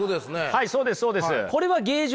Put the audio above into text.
はいそうですそうです。